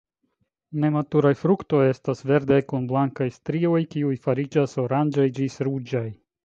Nematuraj fruktoj estas verdaj kun blankaj strioj, kiuj fariĝas oranĝaj ĝis ruĝaj.